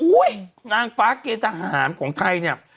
นางฟ้าเกณฑ์ทหารของไทยเนี่ย